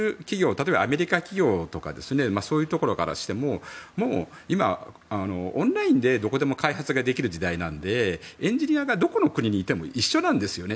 例えばアメリカ企業とかそういうところからしても今、オンラインでどこでも開発ができる時代なのでエンジニアがどこの国にいても一緒なんですね。